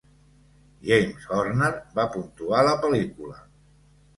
James Horner va puntuar la pel·lícula.